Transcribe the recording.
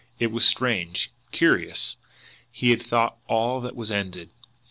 It was strange, curious! He had thought all that was ended.